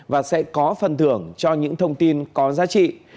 và sẽ có phần thưởng cho những thông tin có giá trị